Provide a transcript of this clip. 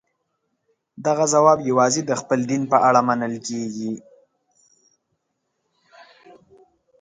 دغه ځواب یوازې د خپل دین په اړه منل کېږي.